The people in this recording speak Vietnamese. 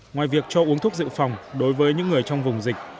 ngoài việc cho uống thuốc dự phòng đối với những người trong vùng dịch